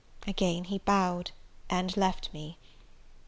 Again he bowed, and left me.